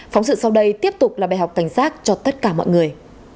phóng sự sau đây tiếp tục là bài học cảnh giác cho tất cả mọi người